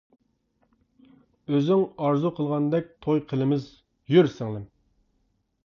ئۆزۈڭ ئارزۇ قىلغاندەك، توي قىلىمىز يۈر سىڭلىم.